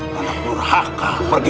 kalau kurhaka pergi